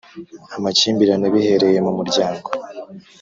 Amakimbirane bihereye mu muryango .